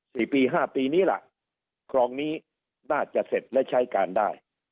สี่ปีห้าปีนี้ล่ะครองนี้น่าจะเสร็จและใช้การได้